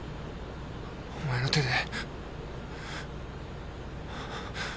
お前の手で。